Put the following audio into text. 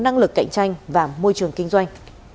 năng lực cạnh tranh và môi trường kinh doanh